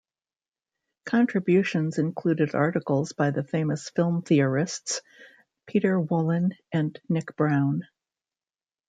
Contributions included articles by the famous film theorists Peter Wollen and Nick Browne.